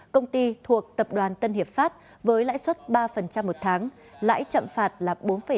công ty thuộc tập đoàn tân hiệp pháp với lãi suất ba một tháng lãi chậm phạt là bốn năm